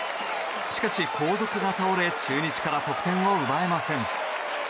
しかし、後続が倒れ中日から得点を奪えません。